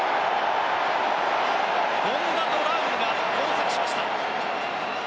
権田とラウムが交錯しました。